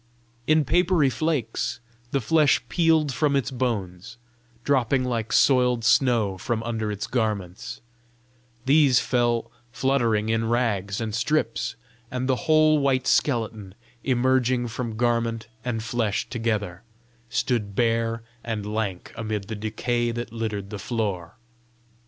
In papery flakes the flesh peeled from its bones, dropping like soiled snow from under its garments; these fell fluttering in rags and strips, and the whole white skeleton, emerging from garment and flesh together, stood bare and lank amid the decay that littered the floor.